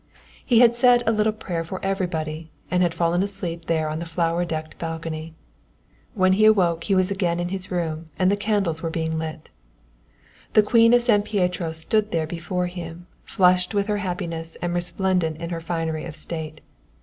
He had said a little prayer for everybody and had fallen asleep there on the flower decked balcony. When he awoke he was again in his room and the candles were being lit. The Queen of San Pietro stood there before him flushed with her happiness and resplendent in her finery of state.